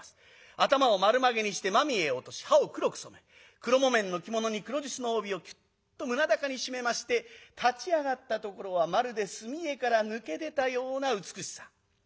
頭を丸まげにしてまみえを落とし歯を黒く染め黒木綿の着物に黒じゅすの帯をきゅっと胸高に締めまして立ち上がったところはまるで墨絵から抜け出たような美しさ。